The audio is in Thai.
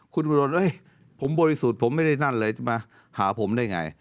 คุณอุดรนผมบริสุทธิ์ผมไม่ได้นั่นเลยจะมาหาผมได้ไง